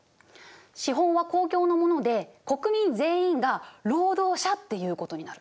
資本は公共のもので国民全員が労働者っていうことになる。